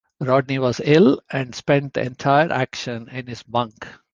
Rodney was ill, and spent the entire action in his bunk.